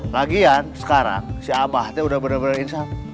lagian sekarang si abah tuh udah bener bener insaf